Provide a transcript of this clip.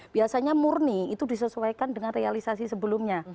biasanya murni itu disesuaikan dengan realisasi sebelumnya